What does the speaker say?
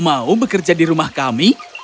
mau bekerja di rumah kami